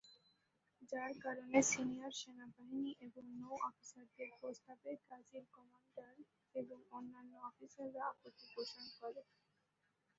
যার কারণে সিনিয়র সেনাবাহিনী এবং নৌ-অফিসারদের প্রস্তাবে গাজীর কমান্ডার এবং অন্যান্য অফিসাররা আপত্তি পোষন করে।